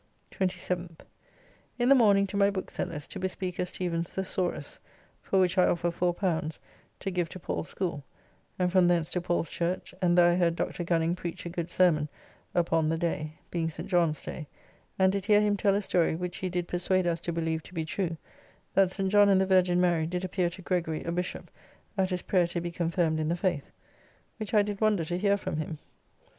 27th. In the morning to my Bookseller's to bespeak a Stephens's Thesaurus, for which I offer L4, to give to Paul's School; and from thence to Paul's Church; and there I heard Dr. Gunning preach a good sermon upon the day (being St. John's day), and did hear him tell a story, which he did persuade us to believe to be true, that St. John and the Virgin Mary did appear to Gregory, a Bishopp, at his prayer to be confirmed in the faith, which I did wonder to hear from him.